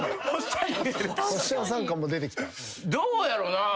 どうやろなぁ。